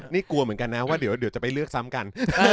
นี่กลัวเหมือนกันนะว่าเดี๋ยวจะไปเลือกซ้ำกัน